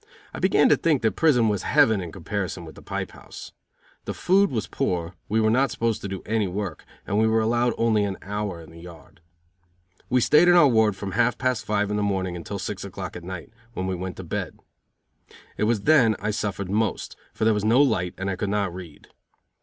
I began to think that prison was heaven in comparison with the pipe house. The food was poor, we were not supposed to do any work, and we were allowed only an hour in the yard. We stayed in our ward from half past five in the morning until six o'clock at night, when we went to bed. It was then I suffered most, for there was no light and I could not read.